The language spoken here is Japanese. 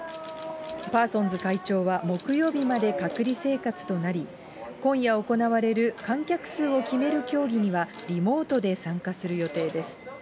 パーソンズ会長は木曜日まで隔離生活となり、今夜行われる観客数を決める協議にはリモートで参加する予定です。